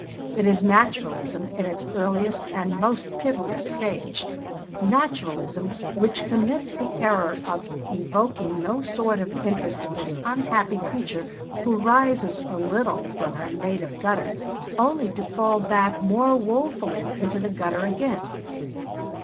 It is Naturalism in its earliest and most pitiless stage Naturalism which commits the error of evoking no sort of interest in this unhappy creature who rises a little from her native gutter, only to fall back more woefully into the gutter again.